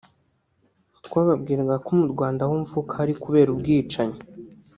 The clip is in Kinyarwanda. twababwiraga ko mu Rwanda aho mvuka hari kubera ubwicanyi